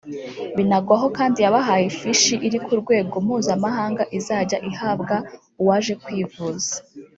Binagwaho kandi yabahaye ifishi iri ku rwego mpuzamahanga izajya ihabwa uwaje kwivuza